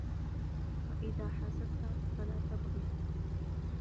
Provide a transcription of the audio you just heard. وَإِذَا حَسَدْتَ فَلَا تَبْغِ